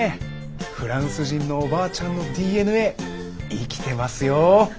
フランス人のおばあちゃんのＤＮＡ生きてますよ。